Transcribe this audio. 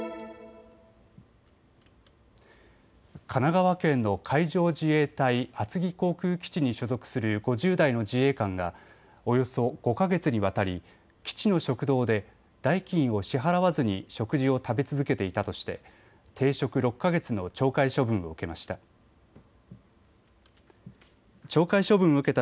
神奈川県の海上自衛隊厚木航空基地に所属する５０代の自衛官がおよそ５か月にわたり基地の食堂で代金を支払わずに食事を食べ続けていたとして停職６か月の懲戒処分を受けました。